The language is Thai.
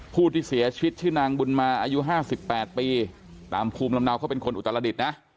ผู้ที่เสียชีวิตชื่อนางบุญมาอายุ๕๘ปีตามภูมิลำเนาเขาเป็นคนอุตรดิษฐ์นะ